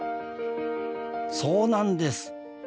そうなんです！